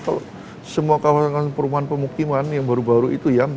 kalau semua kawasan perumahan pemukiman yang baru baru itu ya